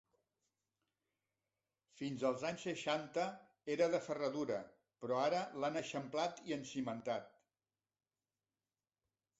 Fins als anys seixanta era de ferradura, però ara l'han eixamplat i encimentat.